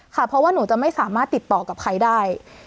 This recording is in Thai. เพราะว่าหนูจะไม่สามารถติดต่อกับใครได้